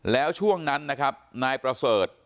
แล้วช่วงนั้นนะครับนายประเสริฐ